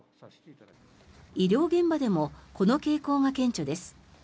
医療現場でもこの傾向が顕著です。